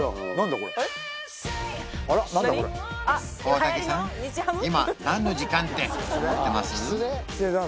これ大竹さん「今何の時間？」って思ってます？